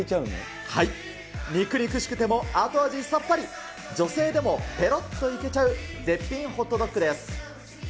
肉肉しくても後味さっぱり、女性でもペロッといけちゃう、絶品ホットドッグです。